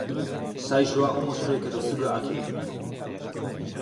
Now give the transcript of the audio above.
最初は面白いけどすぐ飽きる